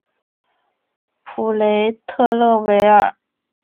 普雷特勒维尔。